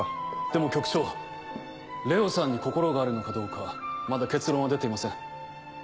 でも局長ＬＥＯさんに心があるのかどうかまだ結論は出ていません。